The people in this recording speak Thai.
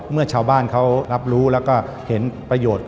เมื่อชาวบ้านเขารับรู้แล้วก็เห็นประโยชน์